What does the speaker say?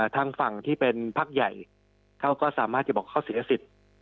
ทางฝั่งที่เป็นพักใหญ่เขาก็สามารถจะบอกเขาเสียสิทธิ์